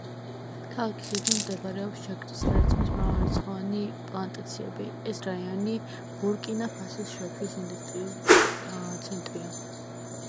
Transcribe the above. ქალაქის ირგვლივ მდებარეობს შაქრის ლერწმის მრავალრიცხოვანი პლანტაციები; ეს რაიონი ბურკინა-ფასოს შაქრის ინდუსტრიის ცენტრია.